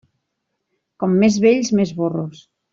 Com més vells, més burros.